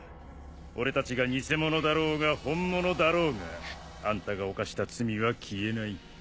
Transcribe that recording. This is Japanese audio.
俺たちが偽物だろうが本物だろうがあんたが犯した罪は消えない。